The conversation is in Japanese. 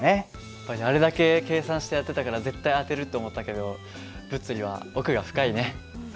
やっぱやるだけ計算してやってたから絶対当てるって思ったけど物理は奥が深いね。